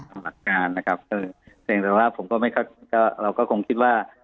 หลักการนะครับเออเพียงแต่ว่าผมก็ไม่ก็เราก็คงคิดว่า